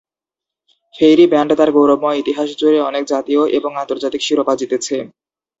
Fairy band তার গৌরবময় ইতিহাস জুড়ে অনেক জাতীয় এবং আন্তর্জাতিক শিরোপা জিতেছে।